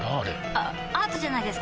あアートじゃないですか？